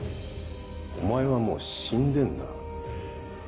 お前はもう死んでんだ。